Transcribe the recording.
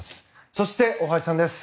そして、大橋さんです。